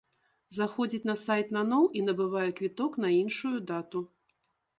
Заходзіць на сайт наноў і набывае квіток на іншую дату.